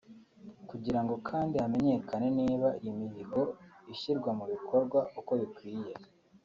Kugirango kandi hamenyekane niba iyi mihigo ishyirwa mu bikorwa uko bikwiye